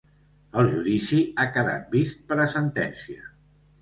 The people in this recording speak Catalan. El judici ha quedat vist per a sentència.